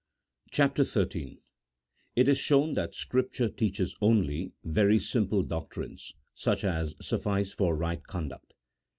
175 CHAPTEE SHL 2T IS SHOWN THAT SCRIPTURE TEACHES ONLY VERY SIMPLE DOCTRINES, SUCH AS SUFFICE FOR RIGHT CONDUCT.